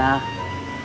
akang mau beli tanah